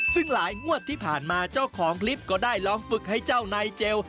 ซึ่งหลายงวดที่ผ่านมาเจ้าของคลิปก็ได้ล้อมฝึกให้เจ้านายเจล